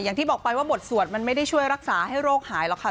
อย่างที่บอกไปว่าบทสวดมันไม่ได้ช่วยรักษาให้โรคหายหรอกค่ะ